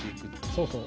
そうそう。